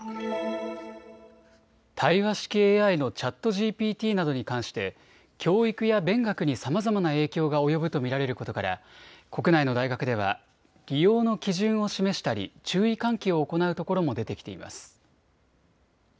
対話式ＡＩのＣｈａｔＧＰＴなどに関して教育や勉学にさまざまな影響が及ぶと見られることから国内の大学では利用の基準を示したり注意喚起を行うところも出てきています。